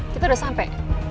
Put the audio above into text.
kita udah sampe